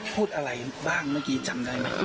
พูดอะไรบ้างเมื่อกี้จำได้ไหม